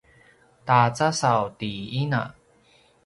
ta casaw ti ina